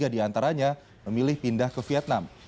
dua puluh tiga diantaranya memilih pindah ke vietnam